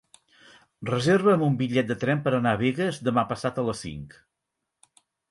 Reserva'm un bitllet de tren per anar a Begues demà passat a les cinc.